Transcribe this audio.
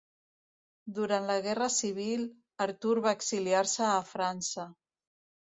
Durant la guerra civil Artur va exiliar-se a França.